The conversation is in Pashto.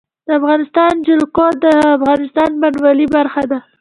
د افغانستان جلکو د افغانستان د بڼوالۍ برخه ده.